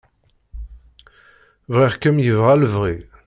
Bɣiɣ-kem yebɣa lebɣi.